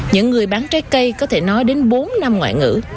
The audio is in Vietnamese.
những người bán trái cây có thể nói đến bốn năm ngoại ngữ